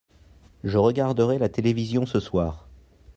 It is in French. je regarderai la télévision ce soir.